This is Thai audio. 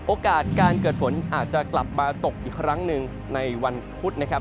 โอกาสการเกิดฝนอาจจะกลับมาตกอีกครั้งหนึ่งในวันพุธนะครับ